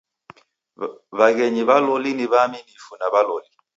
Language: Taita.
W'aghenyi w'a loli ni w'aamifu na w'a loli.